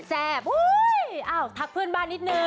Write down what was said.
แซ่บอุ๊ยอ้าวทักเพื่อนบ้านนิดหนึ่ง